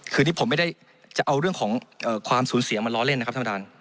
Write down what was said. คือนี้ผมไม่ได้จะเอาเรื่องของความสูญเสียมาล้อเล่นนะครับท่านประธาน